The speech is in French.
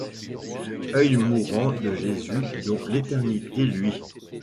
oeil mourant de Jésus dont l’éternité luit !